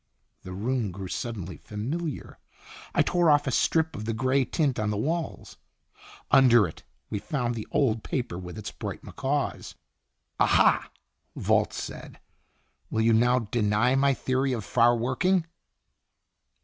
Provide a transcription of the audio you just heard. The room grew suddenly familiar. I tore off a strip of the gray tint on the walls. Under it we found the old paper with its bright macaws. "Ah, ha!" Volz said; "will you now deny my theory of 'far working?'